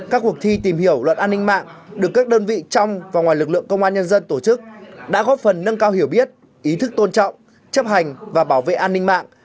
các cuộc thi tìm hiểu luật an ninh mạng được các đơn vị trong và ngoài lực lượng công an nhân dân tổ chức đã góp phần nâng cao hiểu biết ý thức tôn trọng chấp hành và bảo vệ an ninh mạng